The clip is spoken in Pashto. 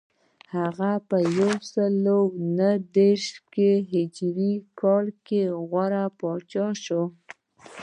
هغه په یو سل نهه دېرش هجري کال کې د غور پاچا شو